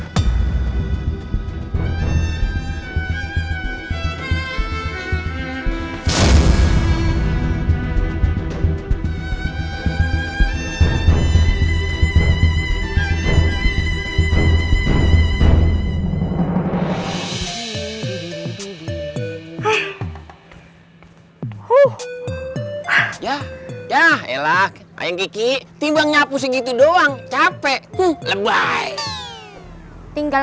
hai ah huh ah ya ya elak ayah kiki timbang nyapu segitu doang capek tuh lebay tinggal